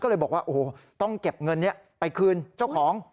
ก็เลยบอกว่าโอ้โหต้องเก็บเงินนี้ไปคืนเจ้าของ